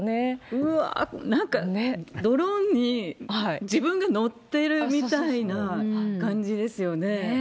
うわー、なんかね、ドローンに自分が乗っているみたいな感じですよね。